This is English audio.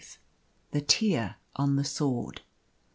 THE TEAR ON THE SWORD.